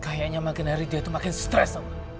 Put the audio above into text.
kayaknya makin hari dia tuh makin stress